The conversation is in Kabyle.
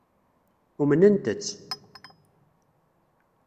Umnent-tt.